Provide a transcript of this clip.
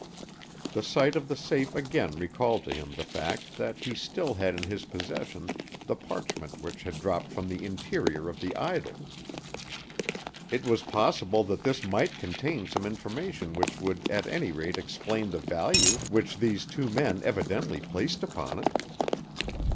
The sight of the safe again recalled to him the fact that he still had in his possession the parchment which had dropped from the interior of the idol. It was possible that this might contain some information which would at any rate explain the value which these two men evidently placed upon it.